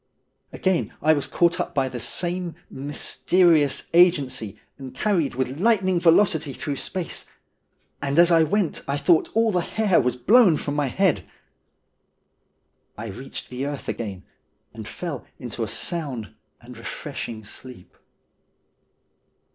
Again I was caught up by the same mysterious agency, and carried with lightning velocity through space, and as I went I thought that all the hair was blown from my head. I reached the earth again, and fell into a sound and refreshing sleep.